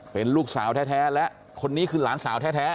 เป็นลูกสาวแท้และคนนี้คือหลานสาวแท้